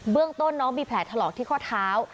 เรื่องต้นน้องมีแผลถลอกที่ข้อเท้า